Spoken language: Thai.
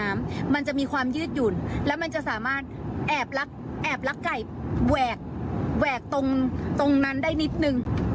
มันจะมีความยืดหยุ่นแล้วมันจะสามารถแอบลักไก่แหวกแหวกตรงนั้นได้นิดนึง